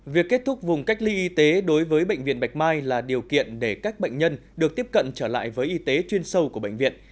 việc kết thúc vùng cách ly y tế đối với bệnh viện bạch mai là điều kiện để các bệnh nhân được tiếp cận trở lại với y tế chuyên sâu của bệnh viện